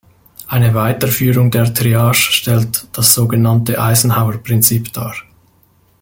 Eine Weiterführung der Triage stellt das sogenannte Eisenhower-Prinzip dar.